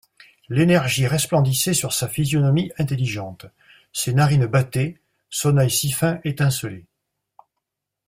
L'énergie resplendissait sur sa physionomie intelligente, ses narines battaient, son œil si fin étincelait.